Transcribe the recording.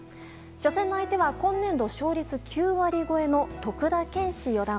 初戦の相手は今年度勝率９割超えの徳田拳士四段。